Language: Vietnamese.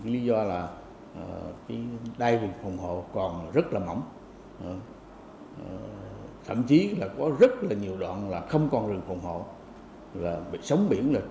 lý do là đai vùng phòng hộ còn rất mỏng